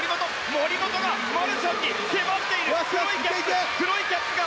森本がマルシャンに迫っている！